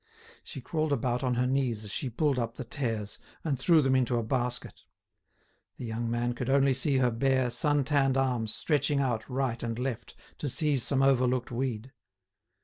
She crawled about on her knees as she pulled up the tares and threw them into a basket. The young man could only see her bare, sun tanned arms stretching out right and left to seize some overlooked weed.